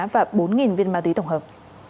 và bốn viên ma túy tổng hợp